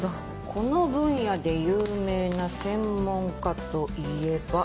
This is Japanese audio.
この分野で有名な専門家といえば。